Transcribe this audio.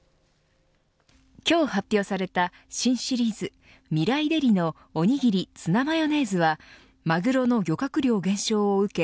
今日発表された新シリーズみらいデリのおにぎりツナマヨネーズはマグロの漁獲量減少を受け